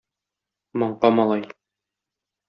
Маңка малай!